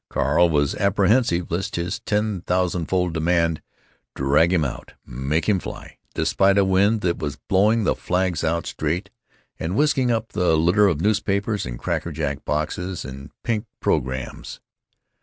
Carl was apprehensive lest this ten thousandfold demand drag him out, make him fly, despite a wind that was blowing the flags out straight, and whisking up the litter of newspapers and cracker jack boxes and pink programs.